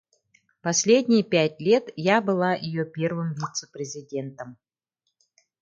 Последние пять лет я была её первым вице-президентом.